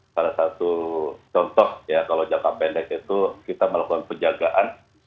salah satu contoh ya kalau jangka pendek itu kita melakukan penjagaan